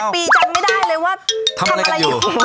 ปีจำไม่ได้เลยว่าทำอะไรอยู่